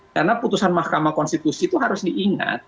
karena putusan mahkamah konstitusi itu harus diingat